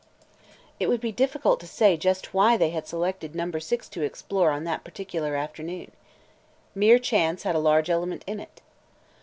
IT would be difficult to say just why they had selected Number Six to explore on that particular afternoon. Mere chance had a large element in it.